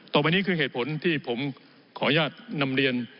ต่อไปนี้คือเหตุผลที่ผมขออนุญาตนำเรียน